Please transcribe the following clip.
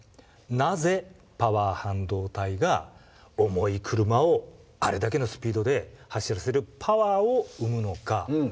なぜパワー半導体が重い車をあれだけのスピードで走らせるパワーをうむのか。